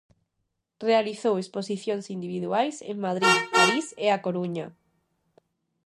Realizou exposicións individuais en Madrid, París e A Coruña.